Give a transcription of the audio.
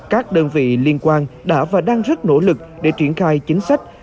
các đơn vị liên quan đã và đang rất nỗ lực để triển khai chính sách